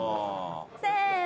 せの。